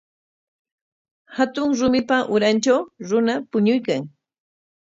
Hatun rumipa urantraw runa puñuykan.